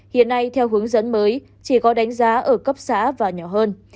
hiện nay theo hướng dẫn mới chỉ có đánh giá ở cấp xã và nhỏ hơn